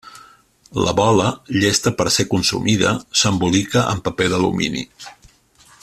La bola, llesta per a ser consumida, s'embolica en paper d'alumini.